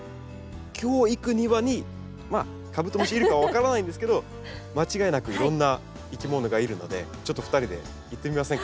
今日行く庭にまあカブトムシいるか分からないんですけど間違いなくいろんないきものがいるのでちょっと２人で行ってみませんか？